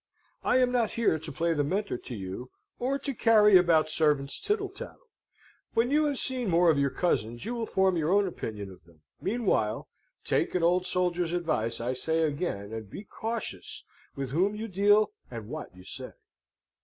I am not here to play the Mentor to you, or to carry about servants' tittle tattle. When you have seen more of your cousins, you will form your own opinion of them; meanwhile, take an old soldier's advice, I say again, and be cautious with whom you deal, and what you say."